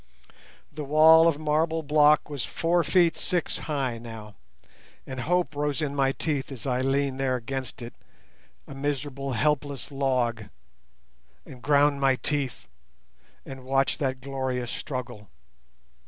The wall of marble block was four feet six high now, and hope rose in my heart as I leaned there against it a miserable helpless log, and ground my teeth, and watched that glorious struggle.